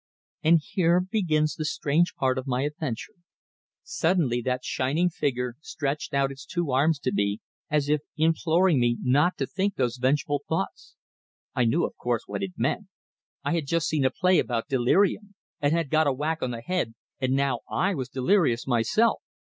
And here begins the strange part of my adventure; suddenly that shining figure stretched out its two arms to me, as if imploring me not to think those vengeful thoughts! I knew, of course, what it meant; I had just seen a play about delirium, and had got a whack on the head, and now I was delirious myself.